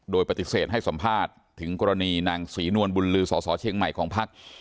โดยปฏิเสธให้สัมภาษณ์ถึงกรณีนางศรีนวลบุญลือสสเชียงใหม่ของภักดิ์